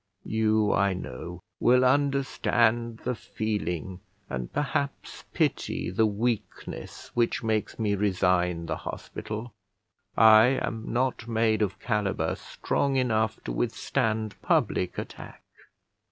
You, I know, will understand the feeling, and, perhaps, pity the weakness which makes me resign the hospital. I am not made of calibre strong enough to withstand public attack.